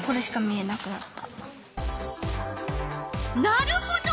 なるほど。